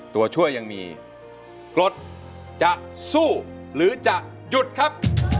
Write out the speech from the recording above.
ตัวช่วยยังมีกรดจะสู้หรือจะหยุดครับ